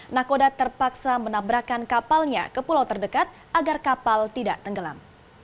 nakoda terpaksa menabrakan kapalnya ke pulau terdekat agar kapal tidak tenggelam